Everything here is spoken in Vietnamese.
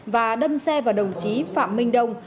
và đâm xe vào đồng chí phạm minh đông